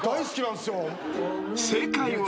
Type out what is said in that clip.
［正解は］